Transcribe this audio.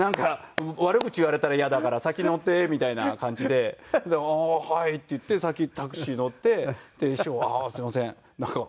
「悪口言われたら嫌だから先乗って」みたいな感じで「ああーはい」って言って先にタクシー乗ってで「師匠ああすいませんなんか」。